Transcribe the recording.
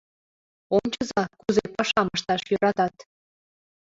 Ончыза, кузе пашам ышташ йӧратат!